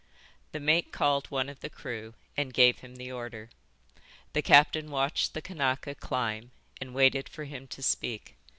The mate called one of the crew and gave him the order. The captain watched the Kanaka climb and waited for him to speak.